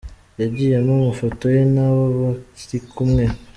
Yagiye ampa amafoto ye n’abo barikumwe.